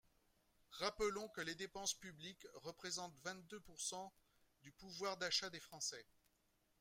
Rappelons que les dépenses publiques représentent vingt-deux pourcent du pouvoir d’achat des Français.